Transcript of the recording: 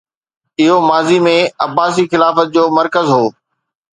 اهو ماضي ۾ عباسي خلافت جو مرڪز هو